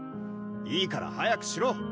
いいから早くしろ！